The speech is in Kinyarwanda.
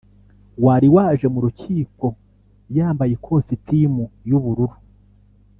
wari waje mu rukiko yambaye ikositimu y’ubururu